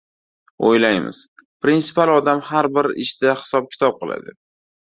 Oʻylaymiz: prinsipial odam, har bir ishda hisob-kitob qiladi.